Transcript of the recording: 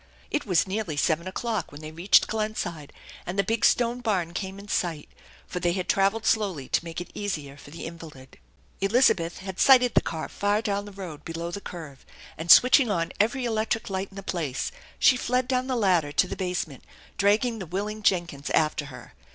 It was nearly seven o'clock when they reached Glenside and the big stone barn came in sight, for they had travelled slowly to make it easier for the invalid. Elizabeth had sighted the car far down the road below the curve; and, switching on every electric light in the place, she fled down the ladder to the basement, dragging the willing Jenkins after her.